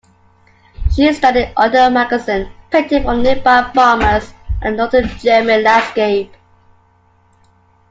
She studied under Mackensen, painting from the nearby farmers, and the northern German landscape.